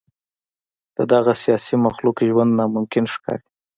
د دغه سیاسي مخلوق ژوند ناممکن ښکاري.